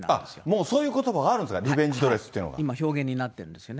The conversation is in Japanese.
もうそういうことばがあるんですか、リベンジドレスっていう今、表現になってるんですよ